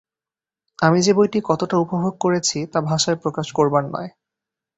আমি যে বইটি কতটা উপভোগ করেছি, তা ভাষায় প্রকাশ করবার নয়।